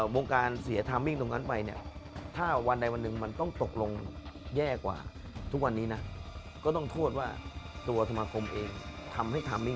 วงการเสียทามิ่งตรงนั้นไป